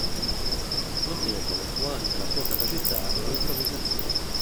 Notevole fu anche la sua capacità di improvvisazione.